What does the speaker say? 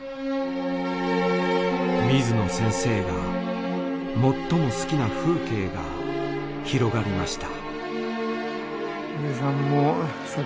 水野先生が最も好きな風景が広がりました。